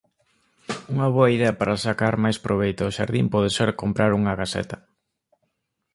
Unha boa idea para sacar máis proveito ao xardín pode ser comprar unha caseta.